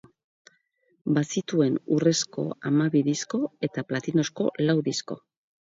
Bazituen urrezko hamabi disko eta platinozko lau disko.